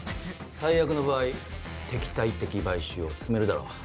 最悪の場合敵対的買収を進めるだろう。